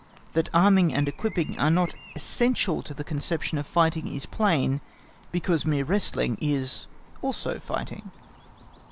That arming and equipping are not essential to the conception of fighting is plain, because mere wrestling is also fighting.